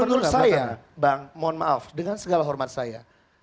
dan menurut saya bang mohon maaf dengan segala hormat saya